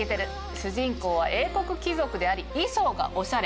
主人公は英国貴族であり衣装がオシャレ。